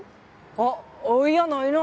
あっいやないな。